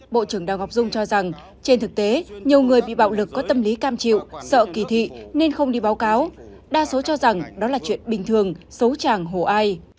bộ trưởng đào ngọc dung cho rằng trên thực tế nhiều người bị bạo lực có tâm lý cam chịu sợ kỳ thị nên không đi báo cáo đa số cho rằng đó là chuyện bình thường xấu tràng hổ ai